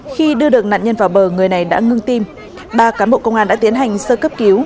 khi đưa được nạn nhân vào bờ người này đã ngưng tim ba cán bộ công an đã tiến hành sơ cấp cứu